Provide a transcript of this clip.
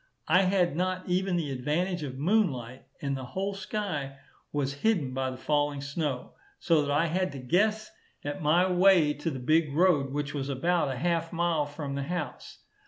I had not even the advantage of moonlight, and the whole sky was hid by the falling snow, so that I had to guess at my way to the big road, which was about a half mile from the house.